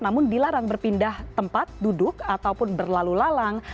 namun dilarang berpindah tempat duduk ataupun berlalu lalang